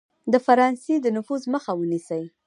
د فرانسې د نفوذ مخه ونیسي.